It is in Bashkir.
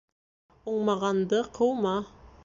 Уңмағанды ҡыума.